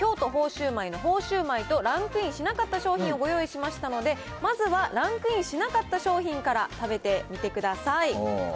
焼売の鳳焼売と、ランクインしなかった商品をご用意しましたので、まずはランクインしなかった商品から、食べてみてください。